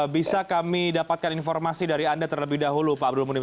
bisa kami dapatkan informasi dari anda terlebih dahulu pak abdul munim